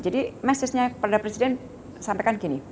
jadi message nya kepada presiden sampaikan gini